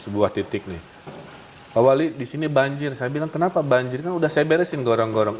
sebuah titik nih pak wali disini banjir saya bilang kenapa banjir kan udah saya beresin gorong gorong